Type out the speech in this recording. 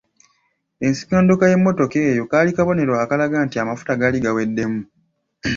Ensikondoka y’emmotoka eyo kaali kabonero akalaga nti amafuta gaali gaweddemu.